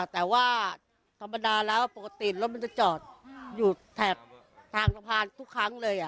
แต่ว่าธรรมดาแล้วปกติรถมันจะจอดอยู่แถบทางสะพานทุกครั้งเลย